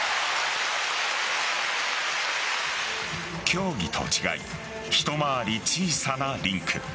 競技と違い一回り小さなリンク。